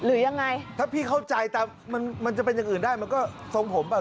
เออถ้าพี่เข้าใจตามมันจะเป็นอย่างอื่นได้มันก็ทรงผมอ่ะ